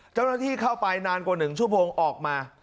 เจ้าหน้าที่เข้าไปนานกว่า๑ชั่วโมงออกมา